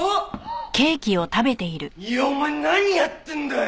お前何やってんだよ！？